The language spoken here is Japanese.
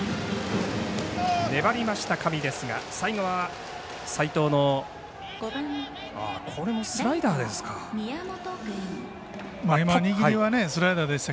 粘りました上ですが最後は齋藤のこれはスライダーですか。